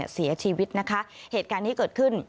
เสียชีวิตนะคะเหตุการณ์นี้เกิดขึ้น